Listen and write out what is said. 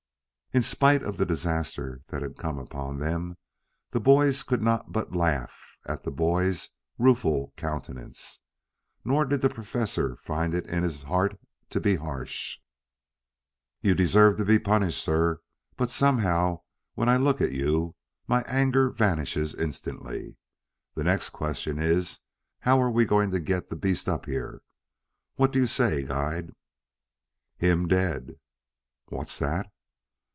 In spite of the disaster that had come upon them, the boys could not but laugh at the boy's rueful countenance. Nor did the Professor find it in his heart to be harsh. "You deserve to be punished, sir, but somehow when I look at you my anger vanishes instantly. The next question is, how are we going to get the beast up here? What do you say, guide?" "Him dead." "What's that?"